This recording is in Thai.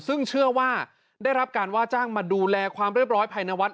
ซึ่งเชื่อว่าได้รับการว่าจ้างมาดูแลความเรียบร้อยภายในวัด